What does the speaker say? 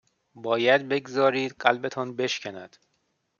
باید بگذارید قلبتان بشکند